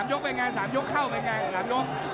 ยกเป็นไง๓ยกเข้าเป็นไง๓ยก